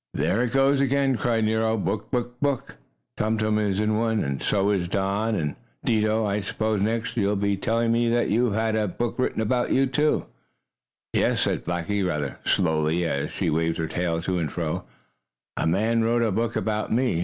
"There it goes again!" cried Nero. "Book! Book! Book! Tum Tum is in one, and so is Don, and Dido. I suppose, next, you'll be telling me that you have had a book written about you." "Yes," said Blackie, rather slowly, as she waved her tail to and fro, "a man wrote a book about me.